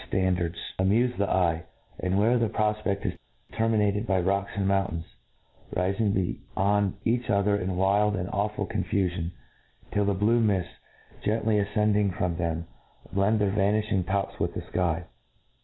ftandafds, amufc the pye, and where the pro* fpeft is terminated by rocks and mountains, ri fing beyond each other in wild and awful confu fion, till the blue mifts, gently afcending from them, blend their vanilhing tops with the fky.